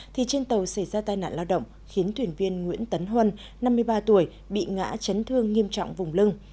thì trên tàu xảy ra tai nạn lao động khiến thuyền viên nguyễn tấn huân năm mươi ba tuổi bị ngã chấn thương nghiêm trọng vùng lưng